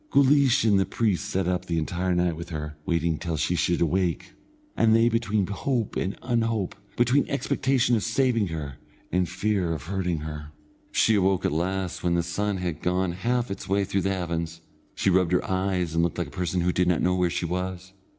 Guleesh and the priest sat up the entire night with her, waiting till she should awake, and they between hope and unhope, between expectation of saving her and fear of hurting her. She awoke at last when the sun had gone half its way through the heavens. She rubbed her eyes and looked like a person who did not know where she was.